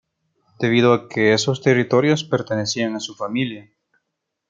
Debido a que esos territorios pertenecían a su familia.